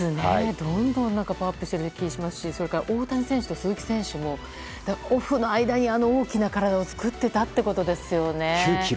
どんどんパワーアップしている気がしますしそれから大谷選手と鈴木選手もオフの間に大きな体を作っていたということですよね。